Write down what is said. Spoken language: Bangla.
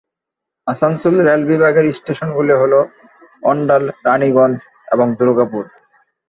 আসানসোল রেল বিভাগের স্টেশনগুলি হল অণ্ডাল, রাণীগঞ্জ এবং দুর্গাপুর।